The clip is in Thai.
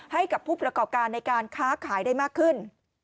ให้กับผู้ประกอบการในการค้าขายได้มากขึ้น